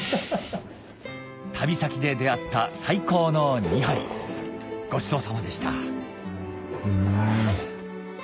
旅先で出合った最高の２杯ごちそうさまでしたん。